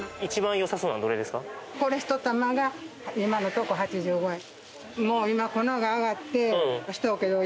これ一玉が今のとこ８５円。